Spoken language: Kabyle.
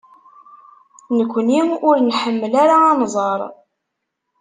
Nekkni ur nḥemmel ara anẓar.